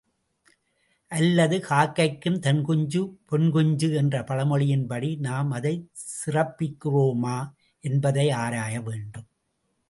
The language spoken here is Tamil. அல்லது, காக்கைக்கும் தன்குஞ்சு பொன்குஞ்சு என்ற பழமொழியின்படி நாம் அதைச் சிறப்பிக்கிறோமா என்பதை ஆராய வேண்டும்.